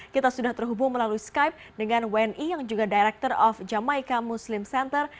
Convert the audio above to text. kita sudah terhubung melalui skype dengan wni yang juga director of jamaica muslim center